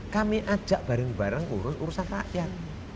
kami ajak bareng bareng ngurus urusan rakyat